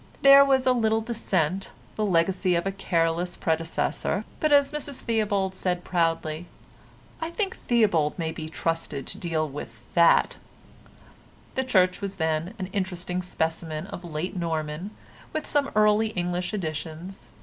There was a little dissent, the legacy of a careless predecessor, but as Mrs Theobald said proudly, "I think Theobald may be trusted to deal with that." The church was then an interesting specimen of late Norman, with some early English additions.